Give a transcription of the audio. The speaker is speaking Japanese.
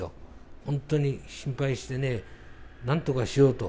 本当に心配してね、なんとかしようと。